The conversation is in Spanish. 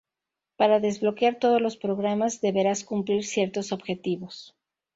Para desbloquear todos los programas deberás cumplir ciertos objetivos.